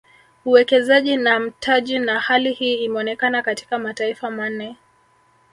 Uwekezaji na mtaji na hali hii imeonekana katika mataifa manne